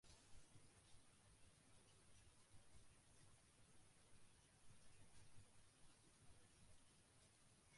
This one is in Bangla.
বাংলাদেশে বেশির ভাগ অড়হরের চাষ কুষ্টিয়া, রংপুর, দিনাজপুর ও যশোর জেলায়।